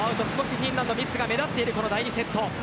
フィンランドのミスが目立っている第２セット。